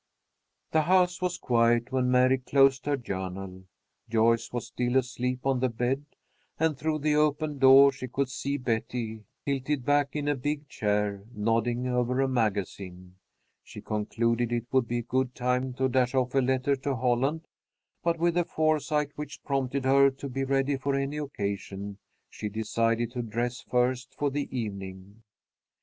The house was quiet when Mary closed her journal. Joyce was still asleep on the bed, and through the open door she could see Betty, tilted back in a big chair, nodding over a magazine. She concluded it would be a good time to dash off a letter to Holland, but with a foresight which prompted her to be ready for any occasion, she decided to dress first for the evening.